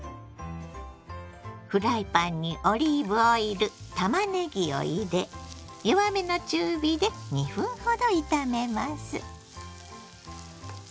フライパンにオリーブオイルたまねぎを入れ弱めの中火で２分ほど炒めます。